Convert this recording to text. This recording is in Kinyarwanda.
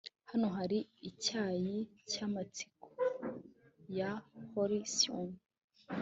Hano hari icyari cyamatsiko ya Halcyon